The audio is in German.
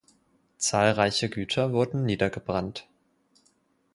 Zahlreiche Güter wurden niedergebrannt.